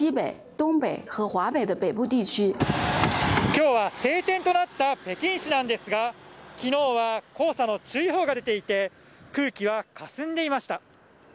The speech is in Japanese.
今日は、晴天となった北京市なんですが昨日は黄砂の注意報が出ていて空気はかすんでいました。